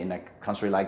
di negara seperti amerika